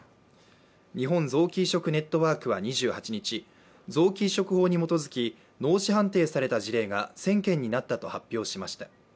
日本臓器移植ネットワークは２８日臓器移植法に基づき脳死判定された事例が１０００件になったと発表しました。